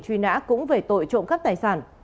truy nã cũng về tội trộm các tài sản